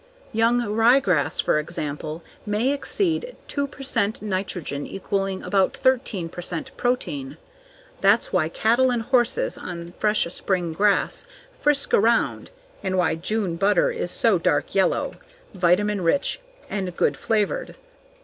Young ryegrass, for example, may exceed two percent nitrogen equaling about 13 percent protein. That's why cattle and horses on fresh spring grass frisk around and why June butter is so dark yellow, vitamin rich and good flavored.